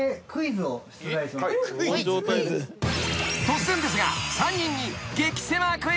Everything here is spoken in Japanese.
［突然ですが３人に］